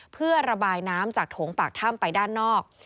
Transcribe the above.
เพื่อระบายน้ำจากโถงปากถ้ำไปด้านนอก